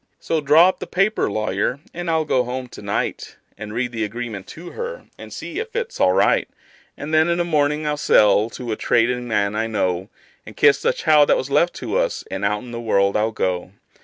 So draw up the paper, lawyer, and I'll go home to night, And read the agreement to her, and see if it's all right; And then, in the mornin', I'll sell to a tradin' man I know, And kiss the child that was left to us, and out in the world I'll go.